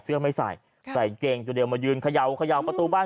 เสื้อไม่ใส่ครับใส่เกงจุดเดียวมายืนขยาวขยาวประตูบ้าน